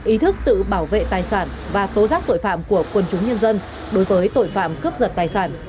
ý thức tự bảo vệ tài sản và tố giác tội phạm của quân chúng nhân dân đối với tội phạm cướp giật tài sản